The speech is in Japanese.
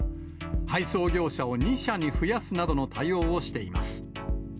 配送業者を２社に増やすなどの対応をしています。